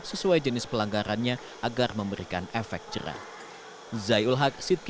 sesuai jenis pelanggarannya agar memberikan efek jerah